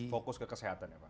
fokus ke kesehatan ya pak